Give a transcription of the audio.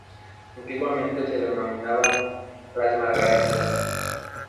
Antiguamente se denominaba "Las Margaritas".